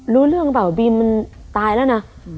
รู้เรื่องเปล่าบีมมันตายแล้วนะ